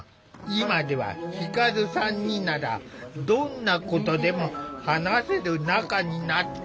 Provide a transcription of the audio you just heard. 今では輝さんにならどんなことでも話せる仲になった。